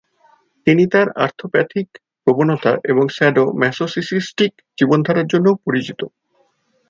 তিনি তার আর্থ-প্যাথিক প্রবণতা এবং স্যাডো-ম্যাসোসিস্টিক জীবনধারার জন্যও পরিচিত।